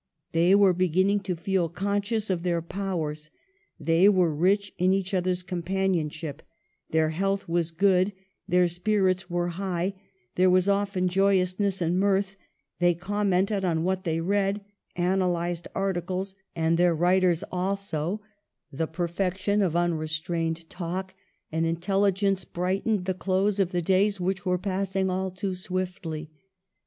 They were beginning to feel conscious of their powers, they were rich in each other's companionship, their health was good, their spirits were high, there was often joyousness and mirth ; they commented on what they read ; analyzed articles and their writers also ; the So EMILY BRONTE. perfection of unrestrained talk and intelligence brightened the close of the days which were passing all too swiftly.